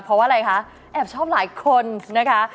เพราะว่าอะไรคะแอบชอบหลายคนนะคะ